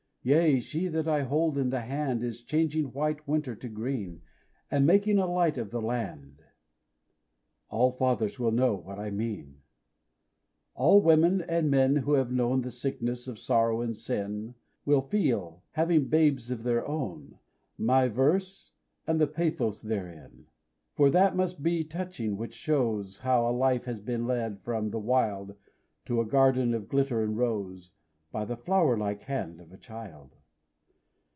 Yea, she that I hold by the hand Is changing white winter to green, And making a light of the land All fathers will know what I mean: All women and men who have known The sickness of sorrow and sin, Will feel having babes of their own My verse and the pathos therein. For that must be touching which shows How a life has been led from the wild To a garden of glitter and rose, By the flower like hand of a child.